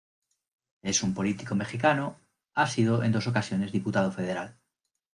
Es un político mexicano, ha sido en dos ocasiones Diputado Federal.